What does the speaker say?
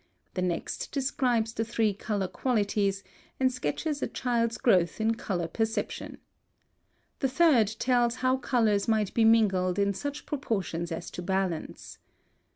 The next describes the three color qualities, and sketches a child's growth in color perception. The third tells how colors may be mingled in such proportions as to balance.